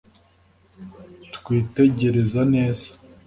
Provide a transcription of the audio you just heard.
Kwitegereza neza